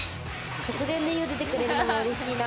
直前で茹でてくれるのもうれしいな。